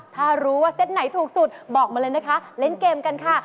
ถ้ารู้ว่าเซตไหนถูกสุดบอกมาเลยนะคะเล่นเกมกันค่ะ